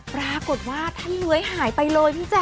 ปรากฏว่าท่านเลื้อยหายไปเลยพี่แจ